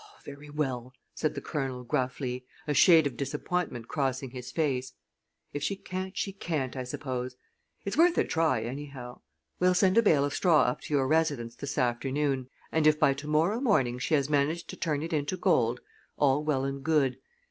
"Oh, very well," said the Colonel, gruffly, a shade of disappointment crossing his face. "If she can't, she can't, I suppose. It's worth a try, anyhow. We'll send a bale of straw up to your residence this afternoon, and if by to morrow morning she has managed to turn it into gold, all well and good.